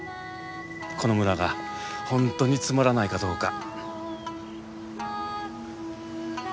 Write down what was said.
この村が本当につまらないかどうか。